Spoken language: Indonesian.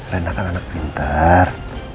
rena kan anak pinter